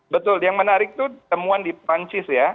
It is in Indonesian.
betul yang menarik itu temuan di perancis ya